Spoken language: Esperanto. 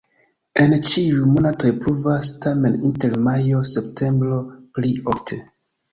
En ĉiuj monatoj pluvas, tamen inter majo-septembro pli ofte.